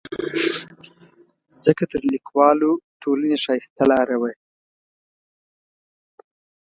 ځکه تر لیکوالو ټولنې ښایسته لاره وه.